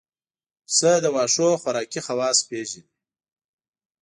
پسه د واښو خوراکي خواص پېژني.